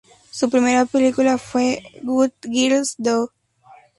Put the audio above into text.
Su primera película fue "Good Girls Do".